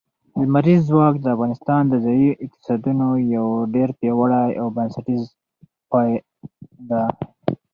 لمریز ځواک د افغانستان د ځایي اقتصادونو یو ډېر پیاوړی او بنسټیز پایایه دی.